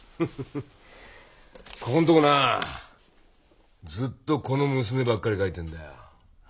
ここんとこなずっとこの娘ばっかり描いてんだよ。